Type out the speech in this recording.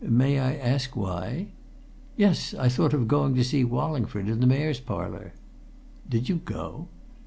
"May I ask why?" "Yes. I thought of going to see Wallingford, in the Mayor's Parlour." "Did you go?"